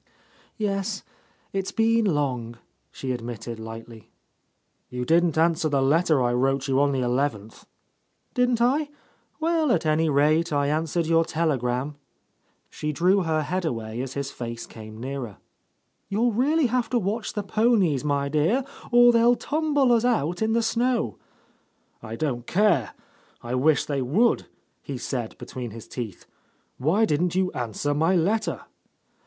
"Yes, it's been long," she admitted lightly. "You didn't answer the letter I wrote you on the eleventh." "Didn't I? Well, at any rate I answered your telegram." She drew her head away as his face came nearer. "You'll really have to watch the ponies, my dear, or they'll tumble us out in the snow." "I don't care. I wish they would I" he said between his teeth. "Why didn't you answer my letter?"